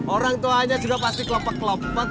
orang tuanya juga pasti kelopet kelopet